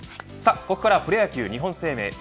ここからプロ野球日本生命セ